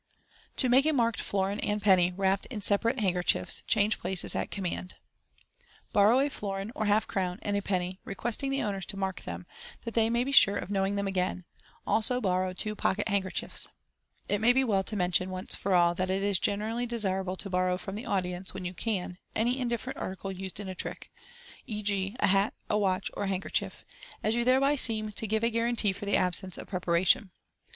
To MAKE A MARKED FLORIN AND PENNY, WRAPPED IN SEPA RATE Handkerchiefs, change places at command. — Borrow a florin (or half crown) and a penny, requesting the owners to mark them, that they may be sure of knowing them again. Also borrow two pocket handkerchiefs. It may be well to mention, once for ali, that it is generally desiw able to borrow from the audience, when you can, any indifferent article used in a trick (e.g., a hat, a watch, or a handkerchief), as you thereby seem to give a guarantee for the absence of preparation.